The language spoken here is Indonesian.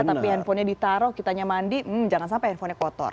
tapi handphonenya ditaruh kitanya mandi jangan sampai handphonenya kotor